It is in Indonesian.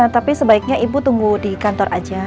tapi sebaiknya ibu tunggu di kantor aja